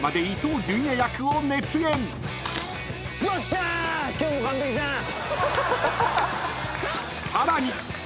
［さらに］